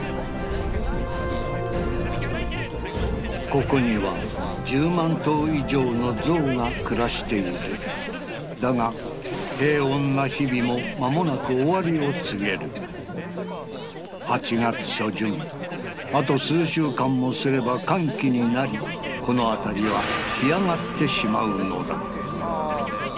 ここには１０万頭以上のゾウが暮らしているだが平穏な日々もまもなく終わりを告げるあと数週間もすれば乾季になりこの辺りは干上がってしまうのだ